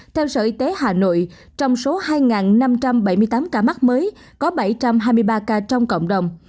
theo sở y tế hà nội trong số hai năm trăm bảy mươi tám ca mắc mới có bảy trăm hai mươi ba ca trong cộng đồng